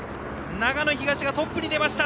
長野東がトップに出ました！